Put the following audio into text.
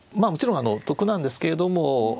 もちろん得なんですけれども。